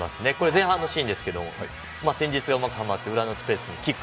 前半のシーンですけど戦術がうまくはまって裏のスペースにキック。